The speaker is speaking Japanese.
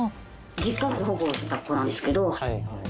実家で保護した子なんですけ